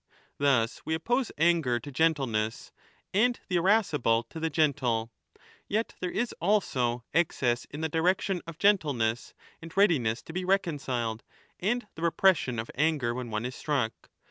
Thus we oppose anger to gentleness, and the irascible to 1222^ the gentle. Yet there is also excess in the direction of gentleness and readiness to be reconciled, and the repression of anger when one is struck.